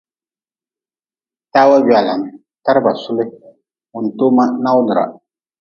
Tawa gwalan, taraba suli, wuntoma nawdra.